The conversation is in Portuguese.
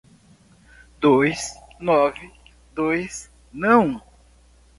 Dois, nove, dois, não.